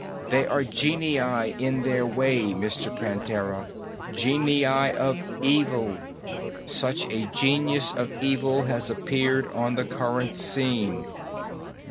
They are genii in their way, Mr. Prantera, genii of evil. Such a genius of evil has appeared on the current scene."